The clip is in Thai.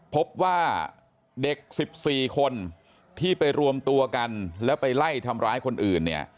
พบว่าเด็ก๑๔คนที่ไปรวมตัวกันแล้วไปไล่ทำร้ายคนอื่นเนี่ย